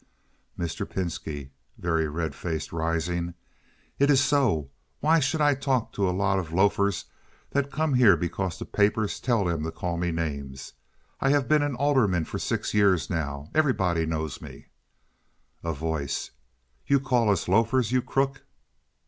Mr. Pinski (very red faced, rising). "It is so. Why should I talk to a lot of loafers that come here because the papers tell them to call me names? I have been an alderman for six years now. Everybody knows me." A Voice. "You call us loafers. You crook!"